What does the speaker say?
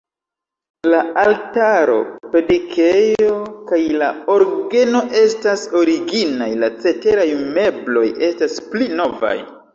La altaro, predikejo kaj la orgeno estas originaj, la ceteraj mebloj estas pli novaj.